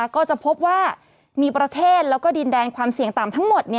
ก็จะพบว่ามีประเทศแล้วก็ดินแดนความเสี่ยงต่ำทั้งหมด